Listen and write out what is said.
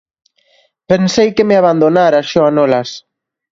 –Pensei que me abandonaras, Xoanolas.